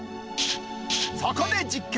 そこで実験。